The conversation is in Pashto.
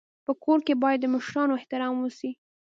په کور کي باید د مشرانو احترام وسي.